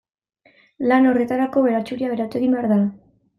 Lan horretarako baratxuria beratu egin behar da.